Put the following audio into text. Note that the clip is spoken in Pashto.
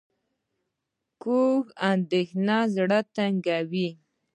کوږه اندېښنه زړه تنګوي